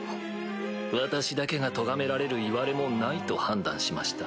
私だけが咎められるいわれもないと判断しました。